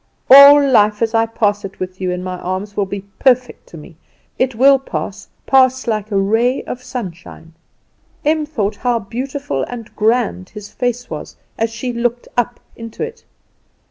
All life as I pass with you in my arms will be perfect to me. It will pass, pass like a ray of sunshine." Em thought how beautiful and grand his face was as she looked up into it.